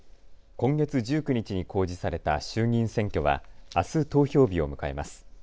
今月１９日に公示された衆議院選挙は、あす投票日を迎えます。